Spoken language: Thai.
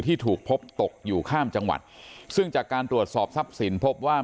ที่ถูกพบตกอยู่ข้ามจังหวัดซึ่งจากการตรวจสอบทรัพย์สินพบว่า